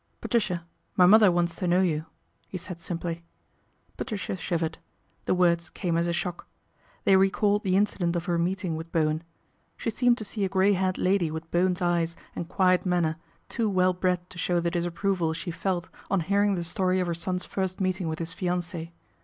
" Patricia, my mother wants to know you " h said simply. Patricia shivered. The words came as a shoe! They recalled the incident of her meeting wit Bowen. She seemed to see a grey haired lad with Bowen's eyes and quiet manner, too wel bred to show th disapproval she felt on hearin A TACTICAL BLUNDER 187 the story of her son's first meeting with his fiance".